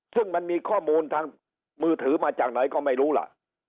ซึ่งมันมีข้อมูลทางมือถือมาจากไหนก็ไม่รู้ล่ะ